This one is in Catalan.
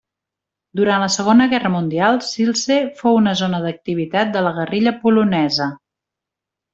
Durant la Segona Guerra Mundial Siedlce fou una zona d'activitat de la guerrilla polonesa.